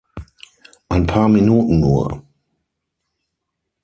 Ein paar Minuten nur.